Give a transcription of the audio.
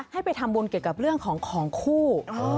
ให้ไปทำบุญเกี่ยวกับเรื่องของของคู่